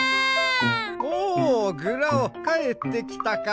おおグラオかえってきたか。